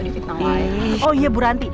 di fitnah lain